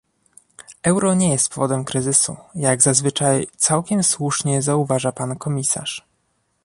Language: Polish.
Euro nie jest powodem kryzysu, jak zazwyczaj całkiem słusznie zauważa pan komisarz